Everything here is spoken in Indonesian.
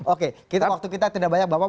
oke waktu kita tidak banyak bapak